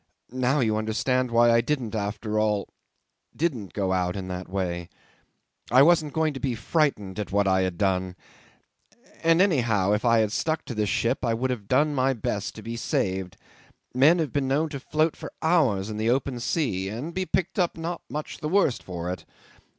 "Now you understand why I didn't after all ... didn't go out in that way. I wasn't going to be frightened at what I had done. And, anyhow, if I had stuck to the ship I would have done my best to be saved. Men have been known to float for hours in the open sea and be picked up not much the worse for it.